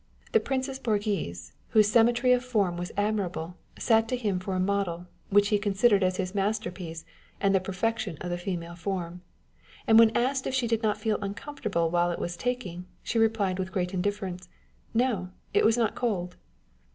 The Princess Borghese, whose symmetry of form was admirable, sat to him for a model, which he considered as his masterpiece and the perfection of the female form ; and when asked if she did not feel uncomfortable while it was taking, she replied with great indifference, " No : it was not cold